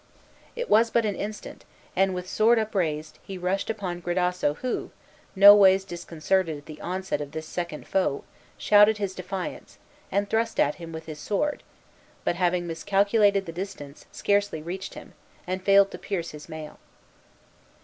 It was but an instant, and with sword upraised, he rushed upon Gradasso who, noways disconcerted at the onset of this second foe, shouted his defiance, and thrust at him with his sword, but, having miscalculated the distance, scarcely reached him, and failed to pierce his mail.